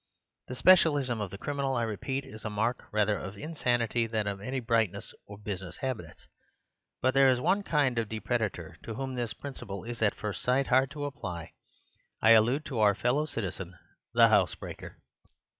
The specialism of the criminal, I repeat, is a mark rather of insanity than of any brightness of business habits; but there is one kind of depredator to whom this principle is at first sight hard to apply. I allude to our fellow citizen the housebreaker.